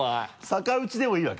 逆打ちでもいいわけ？